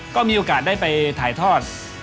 ก็มีโอกาสได้ไปถ่ายทอด